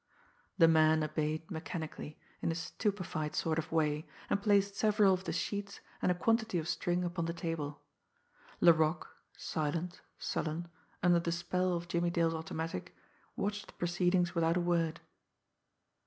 The man obeyed mechanically, in a stupefied sort of way, and placed several of the sheets and a quantity of string upon the table. Laroque, silent, sullen, under the spell of Jimmie Dale's automatic, watched the proceedings without a word.